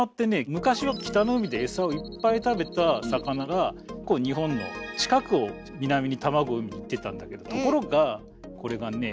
昔は北の海でエサをいっぱい食べた魚が日本の近くを南に卵を産みに行ってたんだけどところがこれがね